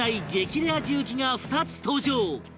レア重機が２つ登場！